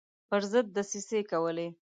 پر ضد دسیسې کولې.